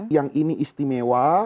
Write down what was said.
yang ini istimewa